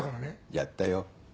やったよ。